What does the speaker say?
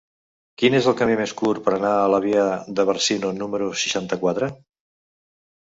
Quin és el camí més curt per anar a la via de Bàrcino número seixanta-quatre?